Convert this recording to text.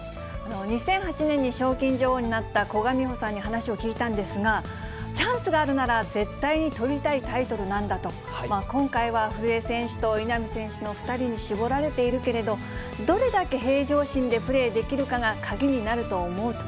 ２００８年に賞金女王になった古閑美保さんに話を聞いたんですが、チャンスがあるなら絶対に取りたいタイトルなんだと、今回は古江選手と稲見選手の２人に絞られているけれど、どれだけ平常心でプレーできるかが鍵になると思うと。